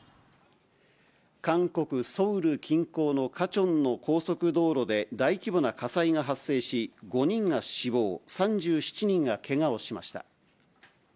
韓国・ソウル近郊のクァチョンの高速道路で大規模な火災が発生し、５人が死亡、３７人がけがをしました。